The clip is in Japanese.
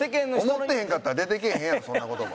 思ってへんかったら出てけえへんやろそんな言葉。